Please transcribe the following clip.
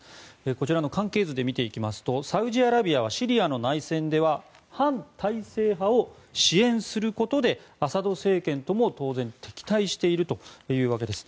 こちらの関係図で見ていきますとサウジアラビアはシリアの内戦では反体制派を支援することでアサド政権とも当然敵対しているというわけです。